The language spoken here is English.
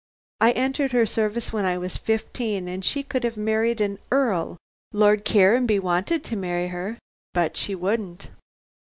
I entered her service when I was fifteen, and she could have married an earl Lord Caranby wanted to marry her but she wouldn't."